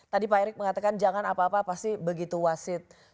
tadi pak erik mengatakan jangan apa apa pasti begitu wasit sudah kasih fun